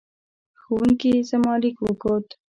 ښوونکې زما لیک وکوت.